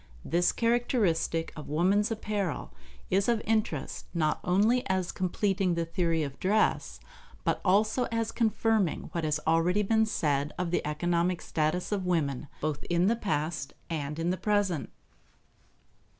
This characteristic of woman's apparel is of interest, not only as completing the theory of dress, but also as confirming what has already been said of the economic status of women, both in the past and in the present.